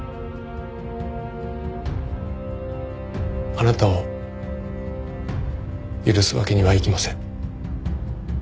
あなたを許すわけにはいきません。